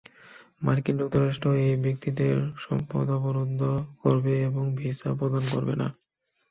মার্কিন যুক্তরাষ্ট্র এই ব্যক্তিদের সম্পদ অবরুদ্ধ করবে এবং ভিসা প্রদান করবে না।